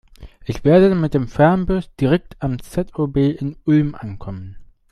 Ich werde mit dem Fernbus direkt am ZOB in Ulm ankommen.